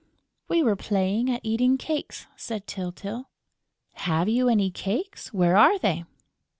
"We were playing at eating cakes," said Tyltyl. "Have you any cakes?... Where are they?..."